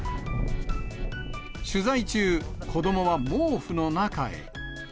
取材中、子どもは毛布の中へ。